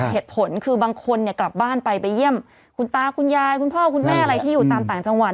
เหตุผลคือบางคนเนี่ยกลับบ้านไปไปเยี่ยมคุณตาคุณยายคุณพ่อคุณแม่อะไรที่อยู่ตามต่างจังหวัด